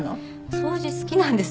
掃除好きなんです。